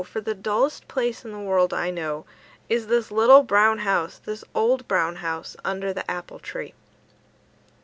For the dullest place in the world, I know, Is this little brown house, This old brown house, Under the apple tree.